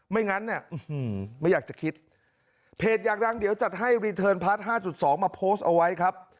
ไม่งั้นเนี้ยอื้อหือไม่อยากจะคิดเพจอย่างดังเดียวจัดให้รีเทิร์นพาร์ทห้าจุดสองมาโพสต์เอาไว้ครับ